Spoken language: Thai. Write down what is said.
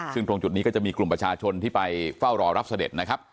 ซึ่งตรงจุดนี้ก็จะมีกลุ่มประชาชนที่ไปเฝ้ารอรับเสด็จนะครับ